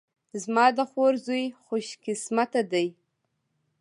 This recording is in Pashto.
زما د خور زوی خوش قسمته ده